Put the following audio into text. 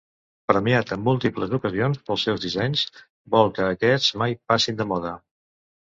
Premiat en múltiples ocasions pels seus dissenys, vol que aquests mai passin de moda.